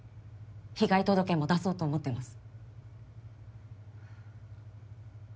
被害届も出そうと思ってます。